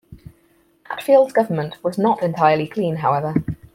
Hatfield's government was not entirely clean, however.